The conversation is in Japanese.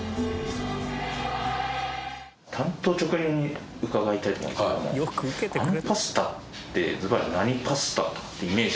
単刀直入に伺いたいと思うんですけどもあのパスタってずばり何パスタとかってイメージあるんですか？